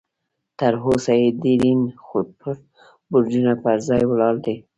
تر اوسه یې ډبرین برجونه پر ځای ولاړ دي.